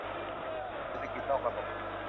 เศรษฐกิจนอกระบบ